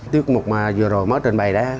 tiết mục mà vừa rồi mở truyền bày đó